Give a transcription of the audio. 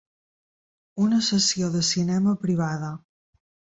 Una sessió de cinema privada.